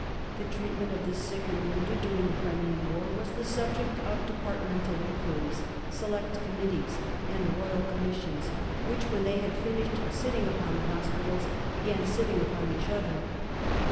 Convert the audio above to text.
The treatment of the sick and wounded during the Crimean War was the subject of Departmental Inquiries, Select Committees, and Royal Commissions, which, when they had finished sitting upon the hospitals, began sitting upon each other.